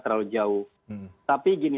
terlalu jauh tapi gini